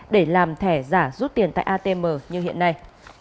để làm thẻ giả rút tiền tại atm như hiện nay